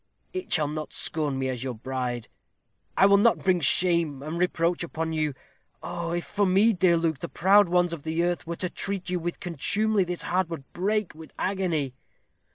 it shall not scorn me as your bride. I will not bring shame and reproach upon you. Oh! if for me, dear Luke, the proud ones of the earth were to treat you with contumely, this heart would break with agony.